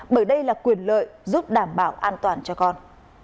bởi đây là quyền lợi giúp đảm bảo an toàn cho con